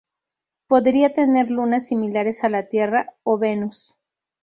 Podría tener lunas similares a la Tierra o Venus.